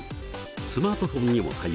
スマートフォンにも対応。